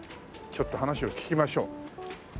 ちょっと話を聞きましょう。